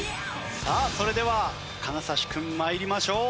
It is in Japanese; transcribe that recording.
さあそれでは金指君参りましょう。